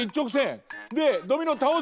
でドミノたおす。